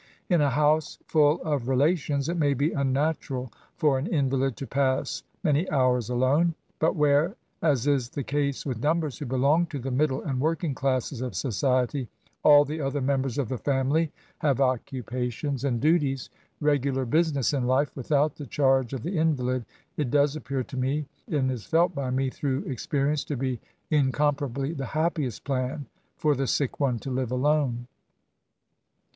In a house full of relations, it may be unnatural for an invalid to pass many hours alone; but where, as is the case with numbers who belong to the middle and working classes of society, all the other members of the family have occupations SYMPATHY TO THE INVALID. 81 and duties — ^regular business in life — ^without the charge of the invalid^ it does appear to me, and is felt by me through experience, to be incom parably the happiest plan for the sick ope to live alone.